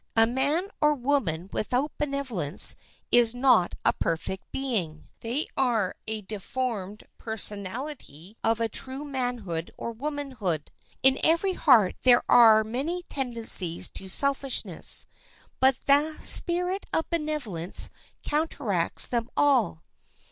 A man or woman without benevolence is not a perfect being; they are only a deformed personality of true manhood or womanhood. In every heart there are many tendencies to selfishness; but the spirit of benevolence counteracts them all.